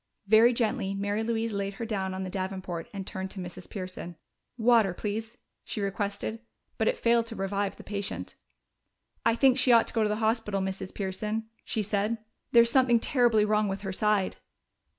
Very gently Mary Louise laid her down on the davenport and turned to Mrs. Pearson. "Water, please," she requested. But it failed to revive the patient. "I think she ought to go to the hospital, Mrs. Pearson," she said. "There's something terribly wrong with her side."